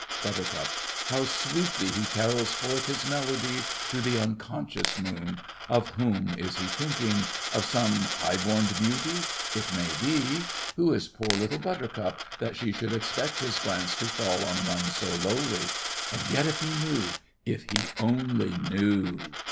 BUT. How sweetly he carols forth his melody to the unconscious moon! Of whom is he thinking? Of some high born beauty? It may be! Who is poor Little Buttercup that she should expect his glance to fall on one so lowly! And yet if he knew—if he only knew!